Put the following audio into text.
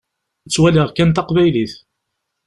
Ttwaliɣ kan taqbaylit.